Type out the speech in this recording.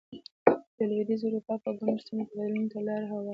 د لوېدیځې اروپا په ګڼو سیمو کې بدلونونو ته لار هواره شوه.